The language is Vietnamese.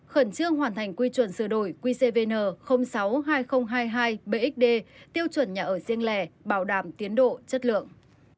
khẩn trương hoàn thành quy chuẩn sửa đổi qcvn sáu hai nghìn hai mươi hai bxd tiêu chuẩn nhà ở riêng lẻ bảo đảm tiến độ chất lượng